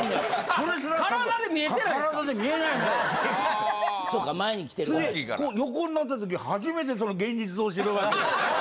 それでこう横になった時初めてその現実を知るわけよ。